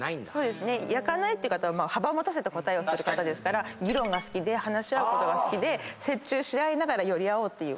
焼かないっていう方は幅を持たせた答えをする方ですから議論が好きで話し合うことが好きで折衷し合いながら寄り合おうっていう。